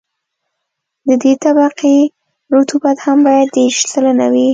د دې طبقې رطوبت هم باید دېرش سلنه وي